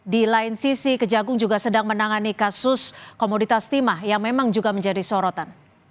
di lain sisi kejagung juga sedang menangani kasus komoditas timah yang memang juga menjadi sorotan